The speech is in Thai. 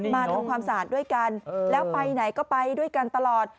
มาทำความสะอาดด้วยกันแล้วไปไหนก็ไปด้วยกันตลอด